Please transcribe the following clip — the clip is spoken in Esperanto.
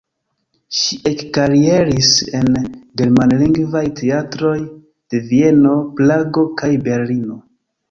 Ŝi ekkarieris en germanlingvaj teatroj de Vieno, Prago kaj Berlino.